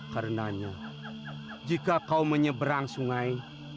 karenanya jika kau menyeberang sungai